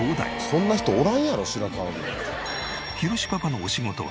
そんな人おらんやろ白川郷に。